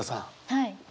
はい。